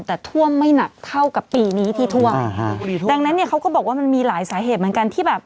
แต่ท่วมไม่หนักเท่ากับปีนี้ที่ท่วมอ่าฮะดังนั้นเนี่ยเขาก็บอกว่ามันมีหลายสาเหตุเหมือนกันที่แบบ